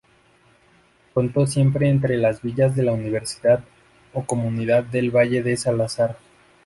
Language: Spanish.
Contó siempre entre las villas de la "universidad" o comunidad del valle de Salazar.